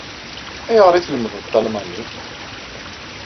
Ayɣer ay tlemdeḍ talmanit?